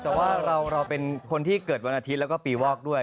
แต่ว่าเราเป็นคนที่เกิดวันอาทิตย์แล้วก็ปีวอกด้วย